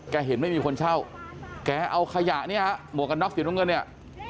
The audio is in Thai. แกเห็นไม่มีคนเช่าแกเอาขยะเนี่ยฮะหมวกับนอกเสียงตรงเงินเนี่ย